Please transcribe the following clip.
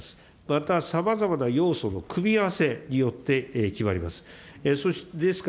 またさまざまな要素の組み合わせによって決まります。